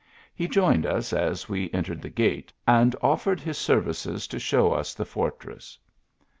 He joined us as we entered the gate, and offered his services to show us the fortress.